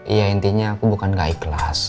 iya intinya aku bukan gak ikhlas